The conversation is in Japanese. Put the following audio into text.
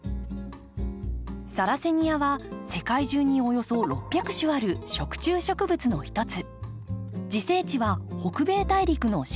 サラセニアは世界中におよそ６００種ある食虫植物の一つ。